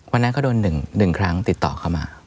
วันนั้นก็โดน๑ครั้งติดต่อเข้ามา